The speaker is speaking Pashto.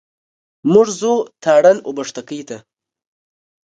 موږ ځو تارڼ اوبښتکۍ ته.